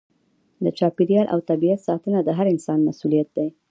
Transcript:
د چاپیریال او طبیعت ساتنه د هر انسان مسؤلیت دی.